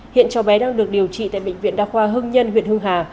hiện cháu bé đang được điều trị tại bệnh viện đa khoa hưng nhân huyện hưng hà